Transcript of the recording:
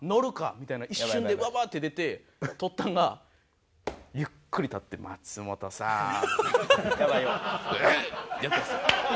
みたいな一瞬でババッて出て取ったんがゆっくり立って「松本さんうう！」ってやったんですよ。